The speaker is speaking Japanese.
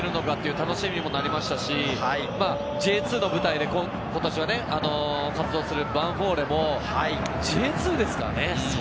楽しみになりましたし、Ｊ２の舞台で今年は活動するヴァンフォーレもＪ２ですからね。